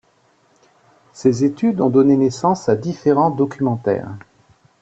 Ces études ont donné naissance à différents documentaires.